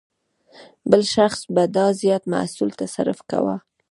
بل شخص به دا زیات محصول تصرف کاوه.